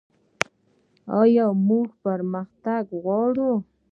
آیا موږ پرمختګ غواړو؟